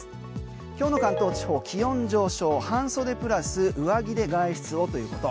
今日の関東地方気温上昇半袖プラス上着で外出をということ。